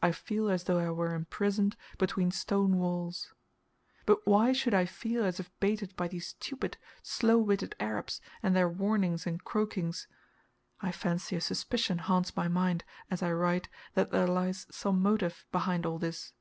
I feel as though I were imprisoned between stone walls. But why should I feel as if baited by these stupid, slow witted Arabs and their warnings and croakings? I fancy a suspicion haunts my mind, as I write, that there lies some motive behind all this.